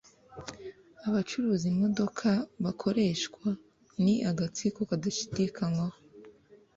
Abacuruza imodoka bakoreshwa ni agatsiko kadashidikanywaho.